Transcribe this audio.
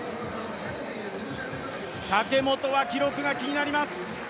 武本は記録が気になります。